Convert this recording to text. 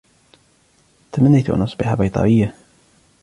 . تمنّيت أن أصبح بيطريّة